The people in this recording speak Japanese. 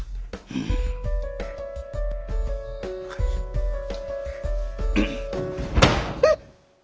うん。えっ！